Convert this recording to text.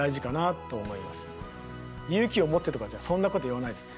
勇気を持ってとかじゃそんなこと言わないです。